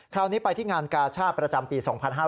คราวนี้ไปที่งานกาชาติประจำปี๒๕๕๙